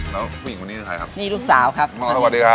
แล้วผู้หญิงคนนี้คือใครครับนี่ลูกสาวครับมาสวัสดีครับ